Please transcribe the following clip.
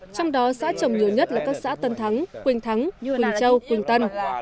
trong đó xã trồng nhiều nhất là các xã tân thắng quỳnh thắng như quỳnh châu quỳnh tân